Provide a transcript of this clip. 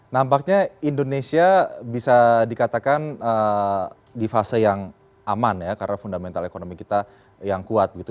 nampaknya indonesia bisa dikatakan di fase yang aman ya karena fundamental ekonomi kita yang kuat gitu